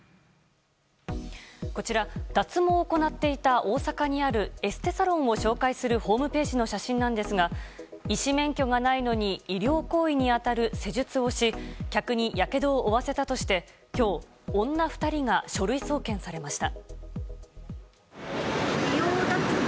こちら、脱毛を行っていた大阪にあるエステサロンを紹介するホームページの写真ですが医師免許がないのに医療行為に当たる施術をし客にやけどを負わせたとして今日、女２人が書類送検されました。